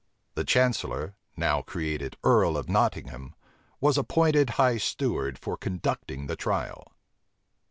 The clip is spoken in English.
The chancellor, now created earl of Nottingham, was appointed high steward for conducting the trial.